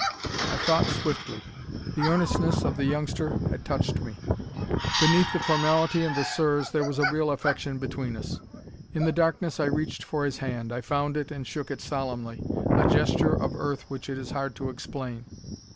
I thought swiftly. The earnestness of the youngster had touched me. Beneath the formality and the "sirs" there was a real affection between us. In the darkness I reached for his hand; I found it and shook it solemnly a gesture of Earth which it is hard to explain.